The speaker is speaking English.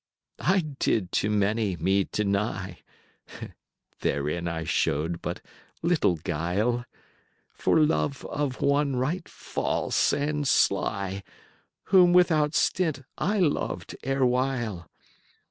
III."I did to many me deny (Therein I showed but little guile) For love of one right false and sly, Whom without stint I loved erewhile.